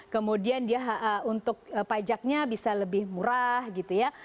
kemudian dia untuk pajaknya bisa lebih murah gitu ya